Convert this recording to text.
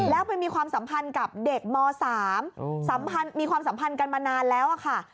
แล้วไปมีความสัมพันธ์กับเด็กม๓มีความสัมพันธ์กันมานานแล้วค่ะ